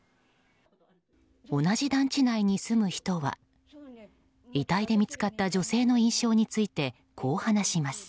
同じ団地内に住む人は遺体で見つかった女性の印象についてこう話します。